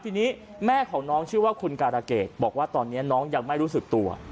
ทีนี้แม่ของน้องชื่อว่าคุณการะเกดบอกว่าตอนนี้น้องยังไม่รู้สึกตัว